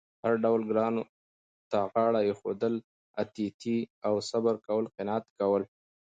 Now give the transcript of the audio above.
هر ډول ګرانو ته غاړه اېښودل، اتیتې او صبر کول، قناعت کول